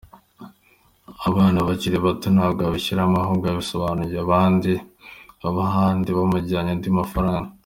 Abana ba kabiri ntabwo yabashyizemo ahubwo yabasimbuje abandi b’ahandi bamuhaye andi mafaranga.